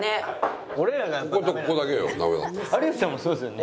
有吉さんもそうですよね？